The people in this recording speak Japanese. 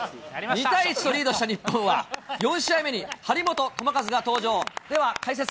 ２対１とリードした日本は、４試合目に張本智和が登場。